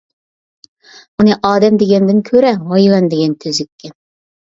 ئۇنى ئادەم دېگەندىن كۆرە ھايۋان دېگەن تۈزۈككەن.